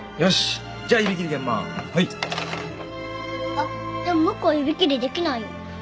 あっでもムックは指切りできないよ。